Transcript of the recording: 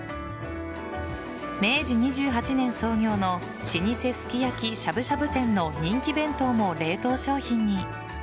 明治２８年創業の老舗すき焼きしゃぶしゃぶ店の人気弁当も冷凍商品に。